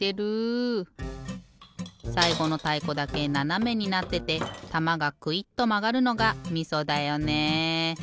さいごのたいこだけななめになっててたまがくいっとまがるのがみそだよね。